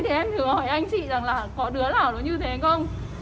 thì em thử hỏi anh chị là có đứa nào nó như thế không